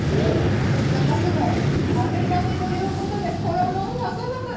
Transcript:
そして、カツも揚げたてということで衣サクサク。